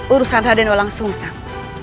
urusan raden walang sungsang